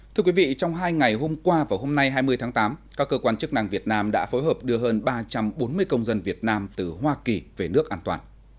thưa quý vị trong hai ngày hôm qua và hôm nay hai mươi tháng tám các cơ quan chức năng việt nam đã phối hợp đưa hơn ba trăm bốn mươi công dân việt nam từ hoa kỳ về nước an toàn